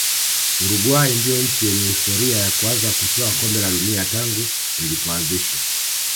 uruguay ndio nchi yenye historia ya kuanza kutwaa kombe la dunia tangu lilipoanzishwa